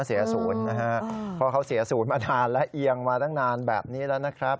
เพราะเขาเสียศูนย์มานานและเอียงมาตั้งนานแบบนี้แล้วนะครับ